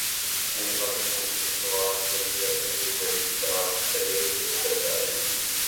چین پاکستانی مصنوعات کیلئے اپنی منڈی فراہم کرے سرتاج عزیز